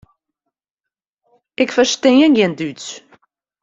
Ik ferstean gjin Dútsk.